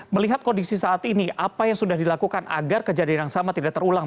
melihat kondisi saat ini apa yang sudah dilakukan agar kejadian yang sama tidak terulang